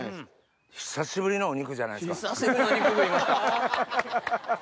久しぶりのお肉じゃないですか？